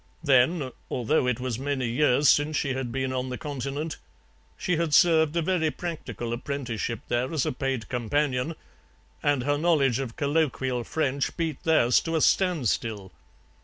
Then, although it was many years since she had been on the Continent, she had served a very practical apprenticeship there as a paid companion, and her knowledge of colloquial French beat theirs to a standstill.